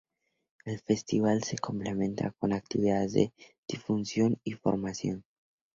El festival se complementa con actividades de difusión y formación.